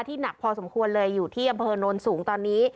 หนักพอสมควรเลยอยู่ที่อำเภอโน้นสูงตอนนี้